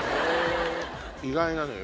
意外なのよ